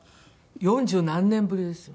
四十何年ぶりですよ。